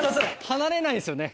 離れないですよね。